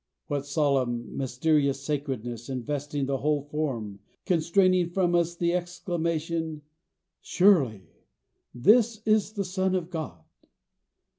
What solemn, mysterious sacredness investing the whole form, constraining from us the exclamation, "Surely this is the Son of God."